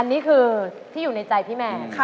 อันนี้คือที่อยู่ในใจพี่แมน